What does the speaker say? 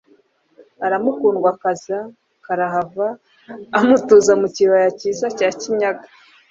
aramukundwakaza karahava, amutuza mu kibaya cyiza cya Kinyaga.